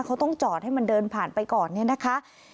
เขาต้องจอดให้มันเดินผ่านไปก่อนเนี่ยนะคะ